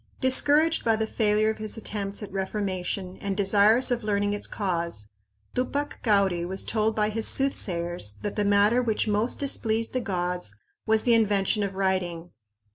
Discouraged by the failure of his attempts at reformation and desirous of learning its cause, Tupac Cauri was told by his soothsayers that the matter which most displeased the gods was the invention of writing.